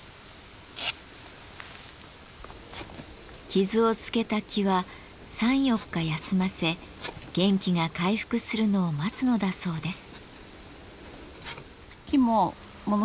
傷をつけた木は３４日休ませ元気が回復するのを待つのだそうです。